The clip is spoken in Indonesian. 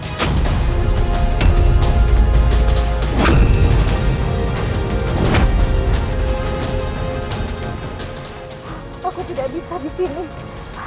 kau tidak boleh kembali ke yang sebelum ini